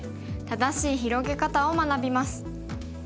正しい広げ方を学びます。